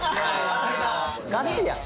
ガチやん。